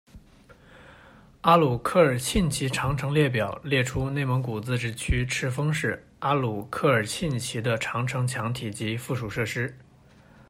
阿鲁科尔沁旗长城列表列出内蒙古自治区赤峰市阿鲁科尔沁旗的长城墙体及附属设施。